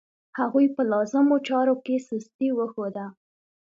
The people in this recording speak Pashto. هغوی په لازمو چارو کې سستي وښوده.